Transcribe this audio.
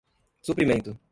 suprimento